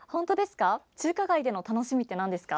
中華街での楽しみってなんですか？